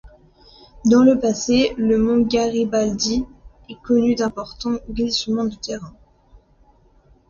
Dans le passé, le mont Garibaldi a connu d'importants glissements de terrain.